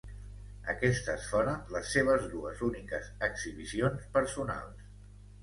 Aquestes foren les seves dues úniques exhibicions personals.